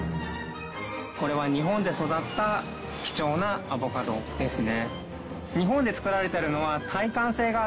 これは日本で育った貴重なアボカドですね。